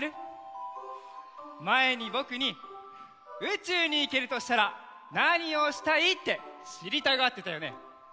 まえにぼくに「うちゅうにいけるとしたらなにをしたい？」ってしりたがってたよね。